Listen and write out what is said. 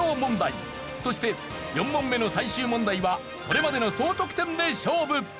そして４問目の最終問題はそれまでの総得点で勝負！